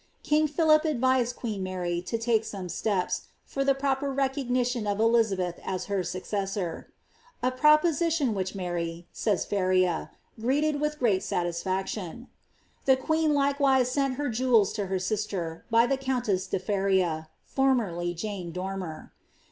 King Philip advised queen 3Iary to take some steps, for the proper recognition of Elizabeth as her successor; *' a proposition which Mary,^' says Feria, ^ greeted with great satbfiK tion.^' The queen likewise sent her jewels to her sister, by the countesf de Feria (formerly Jane Dormer).